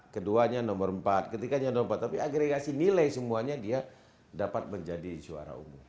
keduanya nomor empat ketiganya nomor empat tapi agregasi nilai semuanya dia dapat menjadi suara umum